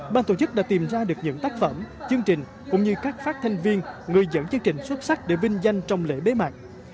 ban tổ chức đã tìm ra được những tác phẩm chương trình cũng như các phát thanh viên người dẫn chương trình xuất sắc để vinh danh trong lễ bế mạc